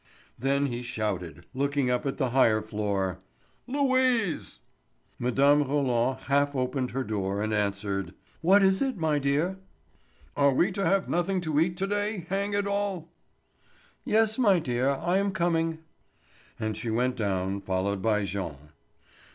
Then he shouted, looking up at the higher floor: "Louise!" Mme. Roland half opened her door and answered: "What is it, my dear?" "Are we to have nothing to eat to day, hang it all?" "Yes, my dear, I am coming." And she went down, followed by Jean.